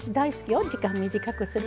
時間短くするのも。